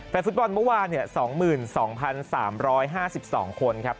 แฟนฟุตบอลเมื่อวานเนี่ยสองหมื่นสองพันสามร้อยห้าสิบสองคนครับ